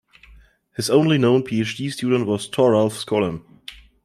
His only known PhD student was Thoralf Skolem.